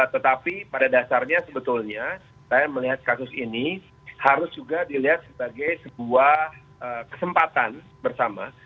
tetapi pada dasarnya sebetulnya saya melihat kasus ini harus juga dilihat sebagai sebuah kesempatan bersama